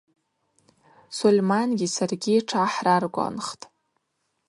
Сольмангьи саргьи тшгӏахӏраргванхтӏ.